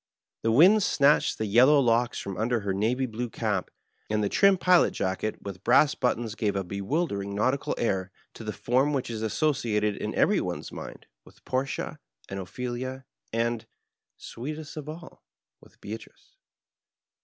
The winds snatched the yellow locks from under her navy blue cap, and the trim pilot jacket with brass buttons gave a bewildering nautical air to the form which is associated in every one's mind with Portia and OjpheUa and, sweetest of all, with JBeatrice.